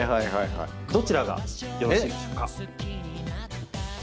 どちらがよろしいでしょうか？